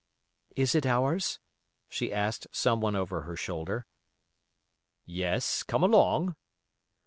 "Is it ours?" she asked someone over her shoulder. "Yes, come along."